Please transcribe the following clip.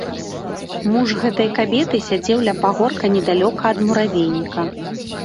Муж гэтай кабеты сядзеў ля пагорка недалёка ад муравейніка.